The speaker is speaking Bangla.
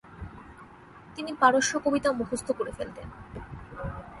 তিনি পারস্য কবিতা মুখস্থ করে ফেলতেন।